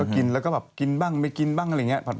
กินแล้วก็แบบกินบ้างไม่กินบ้างอะไรอย่างนี้